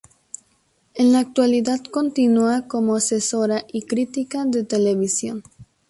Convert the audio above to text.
En la actualidad continúa como asesora y crítica de televisión.